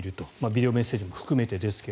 ビデオメッセージも含めてですが。